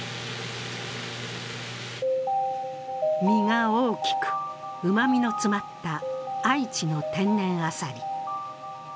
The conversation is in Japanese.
身が大きく、うまみの詰まった愛知の天然アサリ。